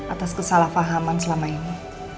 atas kesalah fahaman selama ini